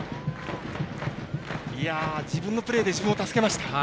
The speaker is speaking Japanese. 自分のプレーで自分を助けました。